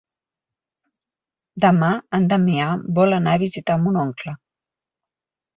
Demà en Damià vol anar a visitar mon oncle.